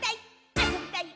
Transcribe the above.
あそびたい！」